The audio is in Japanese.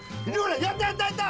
やったやったやった！